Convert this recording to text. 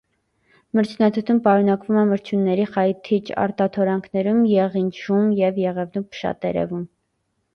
Մրջնաթթուն պարունակվում է մրջյունների խայթիչ արտաթորանքներում, եղինջում և եղևնու փշատերևում։